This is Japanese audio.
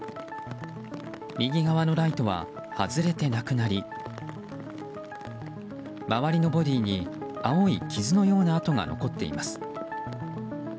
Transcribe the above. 右側のライトは外れてなくなり周りのボディーに青い傷のような跡が残っています。